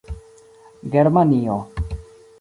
germanio